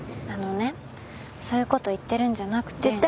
あのねそういうこと言ってるんじゃなくて。